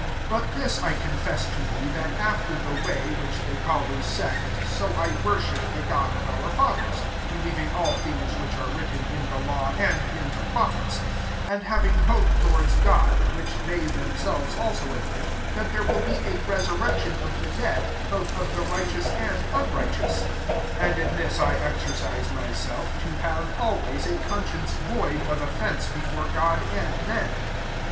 14 " But this 1 confess to thee, that after the way Which they call a sect, so I worship the God of our fathers ; believ ing all things which are written in the law and in the prophets : 15 and having hope towards God, which they themselves also admit, that there will be a resuirection [<ifthe dead]^ both oithe righteous and unrighte ous. 16 And in this I exercise myself to liave always a con science void of offence before Grod and men.